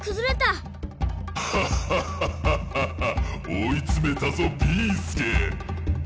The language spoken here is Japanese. おいつめたぞビーすけ！